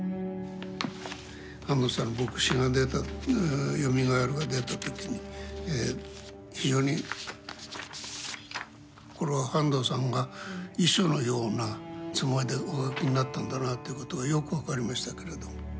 半藤さんの「墨子」が出た「よみがえる」が出た時に非常にこれは半藤さんが遺書のようなつもりでお書きになったんだなということがよく分かりましたけれど。